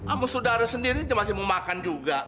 amu saudara sendiri ente masih mau makan juga